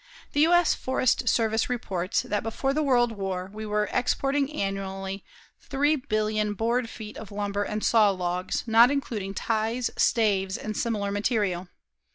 The U.S. Forest Service reports that before the world war, we were exporting annually 3,000,000,000 board feet of lumber and sawlogs, not including ties, staves and similar material.